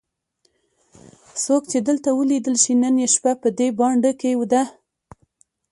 څوک چې دلته ولیدل شي نن یې شپه په دې بانډه کې ده.